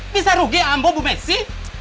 bisa rugi ambo bu meksi